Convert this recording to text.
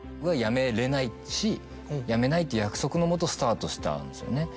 やめないっていう約束のもとスタートしたんですよね。